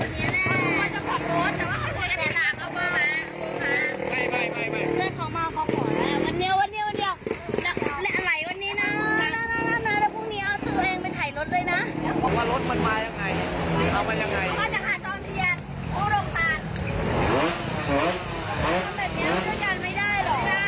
เธอไม่ไปไหนพี่ไปไหนเล่าไว้รถมี